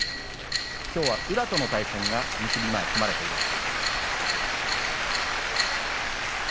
きょうは宇良との対戦が結び前に組まれています。